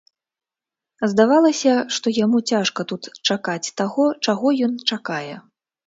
Здавалася, што яму цяжка тут чакаць таго, чаго ён чакае.